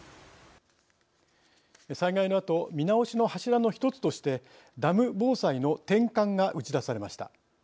災害のあと見直しの柱の一つとしてダム防災の転換が打ち出されました。